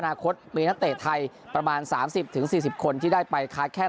อนาคตมีณตไทยประมาณสามสิบถึงสี่สิบคนที่ได้ไปค้าแข่ง